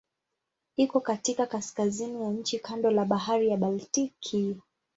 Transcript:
Iko katika kaskazini ya nchi kando la Bahari ya Baltiki.